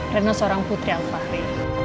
reina seorang putri alfahri